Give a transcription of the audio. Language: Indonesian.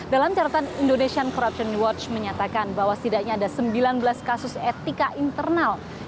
dalam catatan indonesian corruption watch menyatakan bahwa setidaknya ada sembilan belas kasus etika internal